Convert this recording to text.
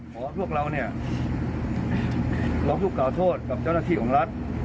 พวกเราเนี่ยร้องทุกข่าโทษกับเจ้าหน้าที่ของรัฐ